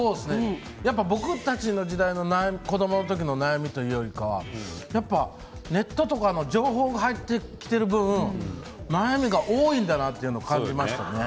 僕たちの時代の子どもの時の悩みというよりかはネットとかの情報が入ってきている分悩みが多いんだなと感じましたね。